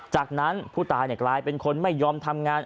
จากนั้นผู้ตายกลายเป็นคนไม่ยอมทำงาน